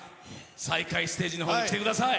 再会ステージのほうへ来てください。